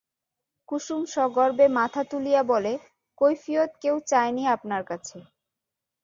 কুসুম সগর্বে মাথা তুলিয়া বলে, কৈফিয়ত কেউ চায়নি আপনার কাছে।